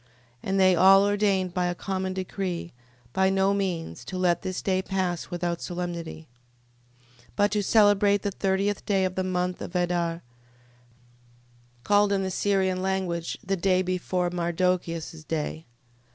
15:36. And they all ordained by a common decree, by no means to let this day pass without solemnity: 15:37. But to celebrate the thirteenth day of the month of Adar, called in the Syrian language, the day before Mardochias' day.